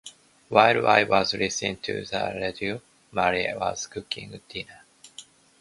While I was listening to the radio, Mary was cooking dinner.